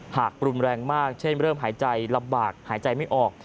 หากรุนแรงมากเช่นเริ่มหายใจลำบากหายใจไม่ออก